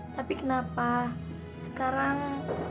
tapi kenapa sekarang